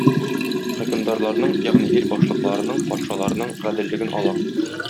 Хөкемдарларның, ягъни ил башлыкларының, патшаларның гаделлеген алам.